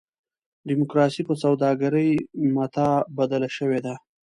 ډیموکراسي په سوداګرۍ متاع بدله شوې ده.